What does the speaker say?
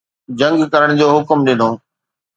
جنگ ڪرڻ جو حڪم ڏنو